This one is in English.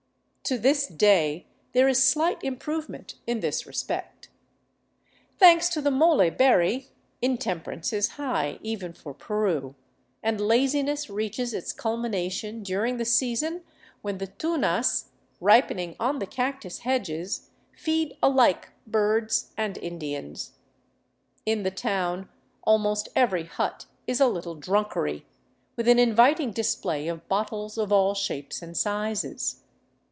To this day there is slight improvement in this respect. Thanks to the molle berry, in temperance is high, even for Peru, and laziness reaches its culmination during the season when the tunas, ripening on the cactus hedges, feed alike birds and Indians. In the town almost every hut is a little drunkery, with an inviting display of bottles of all shapes and sizes.